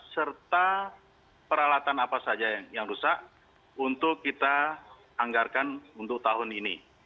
serta peralatan apa saja yang rusak untuk kita anggarkan untuk tahun ini